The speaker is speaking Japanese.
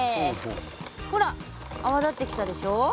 ほらあわ立ってきたでしょ？